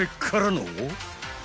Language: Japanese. の